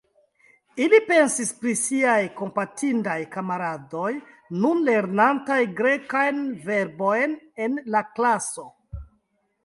Ili pensis pri siaj kompatindaj kamaradoj, nun lernantaj grekajn verbojn en la klaso.